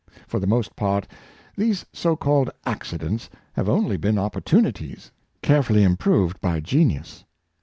For the most part these so called accidents have only been opportunities, carefully improved by genius.